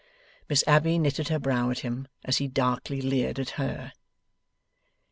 Miss Abbey knitted her brow at him, as he darkly leered at her.